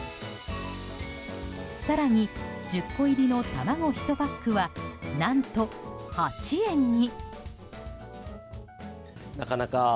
更に、１０個入りの卵１パックは何と８円に。